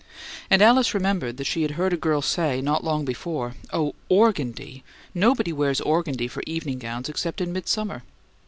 And Alice remembered that she had heard a girl say, not long before, "Oh, ORGANDIE! Nobody wears organdie for evening gowns except in midsummer."